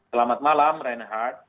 selamat malam reinhard